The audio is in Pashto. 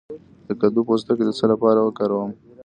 د کدو پوستکی د څه لپاره وکاروم؟